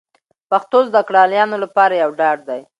پښتو زده کړیالانو لپاره یو ډاډ دی